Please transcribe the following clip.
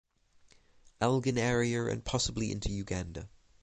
Elgon area and possibly into Uganda.